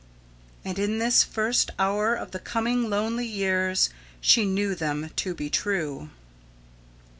And, in this first hour of the coming lonely years, she knew them to be true.